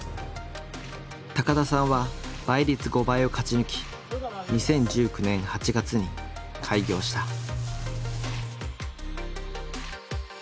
高田さんは倍率５倍を勝ち抜き２０１９年８月に開業した。